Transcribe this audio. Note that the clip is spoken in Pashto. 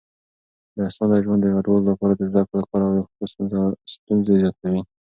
بې اسناده ژوند د کډوالو لپاره د زده کړو، کار او روغتيا ستونزې زياتوي.